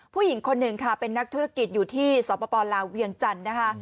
ผู้หญิงคนหนึ่งค่ะเป็นนักธุรกิจอยู่ที่สปลาวเวียงจันทร์นะคะ